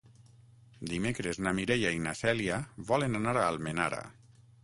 Dimecres na Mireia i na Cèlia volen anar a Almenara.